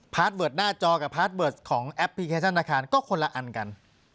เบิร์ดหน้าจอกับพาร์ทเบิร์สของแอปพลิเคชันธนาคารก็คนละอันกัน